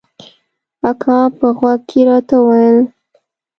اکا په غوږ کښې راته وويل.